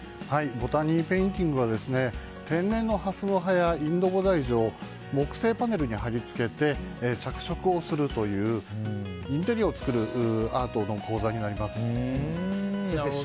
ボタニーペインティングは天然のハスの葉やインドボダイジュを木製パネルに貼り付けて着色をするというインテリアを作るアートの講座になります。